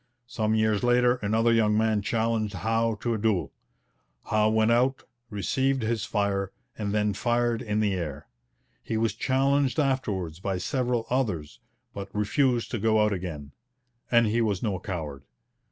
Some years later another young man challenged Howe to a duel. Howe went out, received his fire, and then fired in the air. He was challenged afterwards by several others, but refused to go out again. And he was no coward.